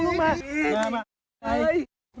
ลูกปู่